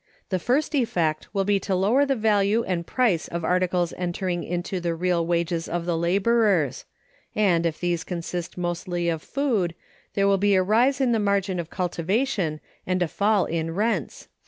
The first effect will be to lower the value and price of articles entering into the real wages of the laborers; and, if those consist mostly of food, there will be a rise in the margin of cultivation and a fall in rents (3).